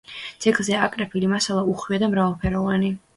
ძეგლზე აკრეფილი მასალა უხვია და მრავალფეროვანი.